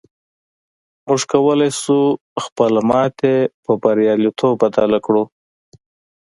موږ کولی شو خپله ماتې پر برياليتوب بدله کړو.